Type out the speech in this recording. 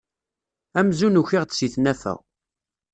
Amzun ukiɣ-d si tnafa.